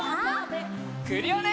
クリオネ！